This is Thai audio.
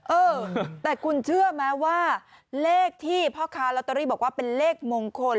เออแต่คุณเชื่อไหมว่าเลขที่พ่อค้าลอตเตอรี่บอกว่าเป็นเลขมงคล